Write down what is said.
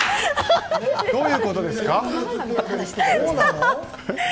どういうことですか？